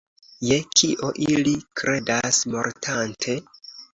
Je kio ili kredas, mortante?